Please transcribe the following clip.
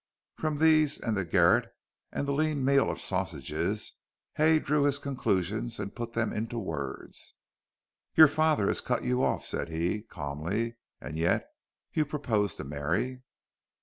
From these and the garret and the lean meal of sausages Hay drew his conclusions and put them into words. "Your father has cut you off," said he, calmly, "and yet you propose to marry."